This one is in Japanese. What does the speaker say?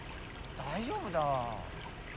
大丈夫だ。